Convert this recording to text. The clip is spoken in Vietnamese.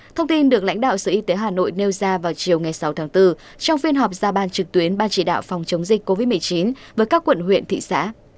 thông tin được lãnh đạo sở y tế hà nội nêu ra vào chiều ngày sáu tháng bốn trong phiên họp ra ban trực tuyến ban chỉ đạo phòng chống dịch covid một mươi chín với các quận huyện thị xã